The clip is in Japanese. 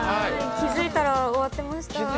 気づいたら終わってました。